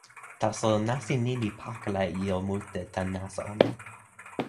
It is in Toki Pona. taso nasin ni li pakala e ijo mute tan nasa ona.